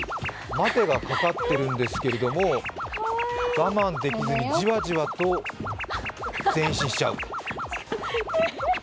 「待て」がかかってるんですけど、我慢できずにじわじわと前進しちゃう。